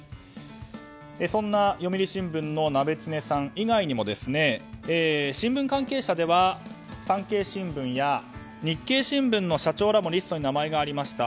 そんな読売新聞のナベツネさん以外にも新聞関係者では産経新聞や、日経新聞の社長らもリストに名前がありました。